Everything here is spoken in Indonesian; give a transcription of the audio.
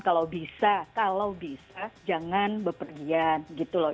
kalau bisa kalau bisa jangan bepergian gitu loh